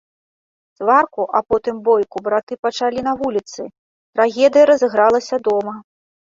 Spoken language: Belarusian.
Сварку, а потым бойку браты пачалі на вуліцы, трагедыя разыгралася дома.